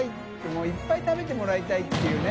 發いっぱい食べてもらいたいっていうね。